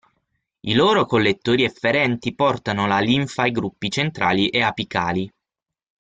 I loro collettori efferenti portano la linfa ai gruppi centrali e apicali.